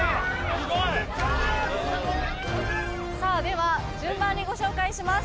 スゴいさあでは順番にご紹介します